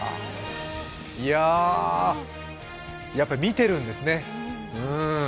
いやぁ、やっぱり見てるんですね。